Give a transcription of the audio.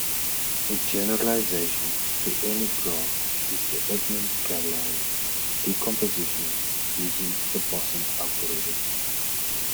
A generalization to any graph is the Edmonds-Gallai decomposition, using the Blossom algorithm.